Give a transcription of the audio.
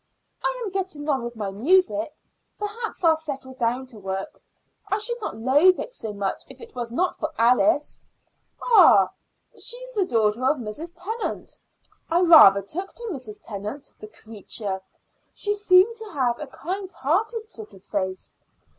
"I am getting on with my music. Perhaps I'll settle down to work. I should not loathe it so much if it was not for Alice." "Ah! she's the daughter of Mrs. Tennant. I rather took to Mrs. Tennant, the creature! She seemed to have a kind hearted sort of face."